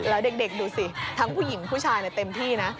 แล้วเด็กดูสิทั้งผู้หญิงผู้ชายเต็มที่นะ